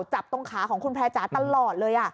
จับตรงขาของคุณแพร่จ๋าตลอดเลย